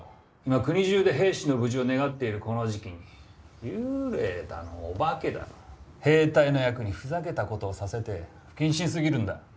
今国中で兵士の無事を願っているこの時期に幽霊だのお化けだの兵隊の役にふざけたことをさせて不謹慎すぎるんだ。